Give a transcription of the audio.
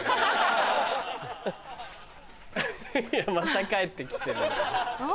また帰ってきてる。